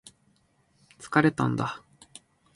疲れたんだ